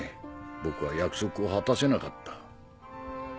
僕は約束を果たせなかった。